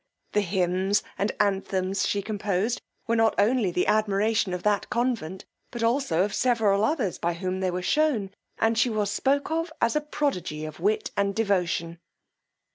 The hymns and anthems she composed were not only the admiration of that convent, but also of several others to whom they were shown, and she was spoke of as a prodigy of wit and devotion.